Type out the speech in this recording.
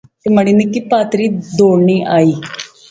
کہ مہاڑی نکی پہاتری دوڑنی آئی